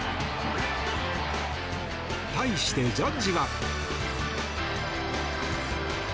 対して、ジャッジは。